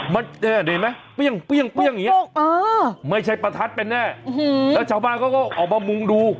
มันเห็นไหมเปรี้ยงอย่างนี้ไม่ใช่ประทัดเป็นแน่แล้วชาวบ้านเขาก็ออกมามุงดู